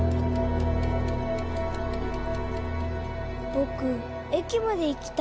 僕駅まで行きたいの。